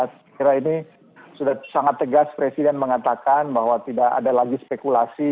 saya kira ini sudah sangat tegas presiden mengatakan bahwa tidak ada lagi spekulasi